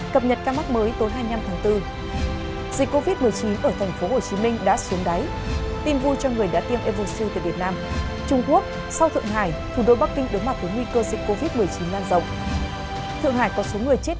các bạn hãy đăng ký kênh để ủng hộ kênh của chúng mình nhé